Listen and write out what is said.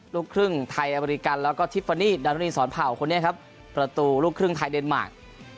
ลูกครึ่งไทยอเมริกันแล้วก็ทิฟฟานีดารุณีสอนเผ่าคนนี้ครับประตูลูกครึ่งไทยเดนมาร์ค